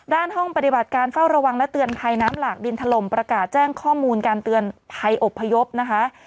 ห้องปฏิบัติการเฝ้าระวังและเตือนภัยน้ำหลากดินถล่มประกาศแจ้งข้อมูลการเตือนภัยอบพยพนะคะ